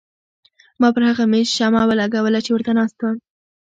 ما پر هغه مېز شمه ولګوله چې ورته ناسته یم.